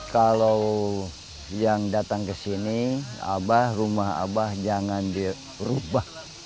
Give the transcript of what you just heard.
kalau yang datang ke sini abah rumah abah jangan dirubah